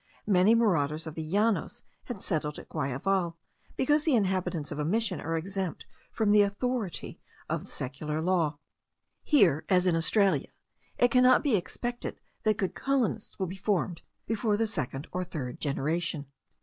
Many marauders of the Llanos had settled at Guayaval, because the inhabitants of a Mission are exempt from the authority of secular law. Here, as in Australia, it cannot be expected that good colonists will be formed before the second or third generation.